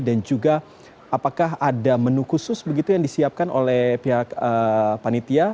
dan juga apakah ada menu khusus begitu yang disiapkan oleh pihak panitia